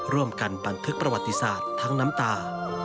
ร่วมกันบันทึกประวัติศาสตร์ทั้งน้ำตา